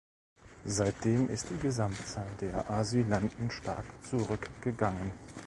Seitdem ist die Gesamtzahl der Asylanten stark zurückgegangen.